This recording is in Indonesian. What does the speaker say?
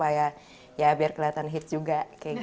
ya biar kelihatan hits juga